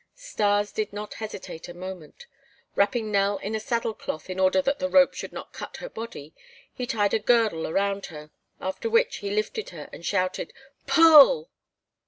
Stas did not hesitate a moment. Wrapping Nell in a saddle cloth in order that the rope should not cut her body, he tied a girdle around her; after which he lifted her and shouted: "Pull!"